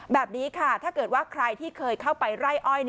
แบบนี้ค่ะถ้าเกิดว่าใครที่เคยเข้าไปไร่อ้อย